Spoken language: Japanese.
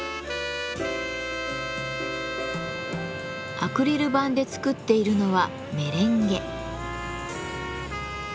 アクリル板で作っているのはメレンゲ。